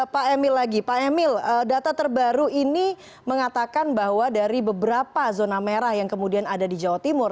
pak emil lagi pak emil data terbaru ini mengatakan bahwa dari beberapa zona merah yang kemudian ada di jawa timur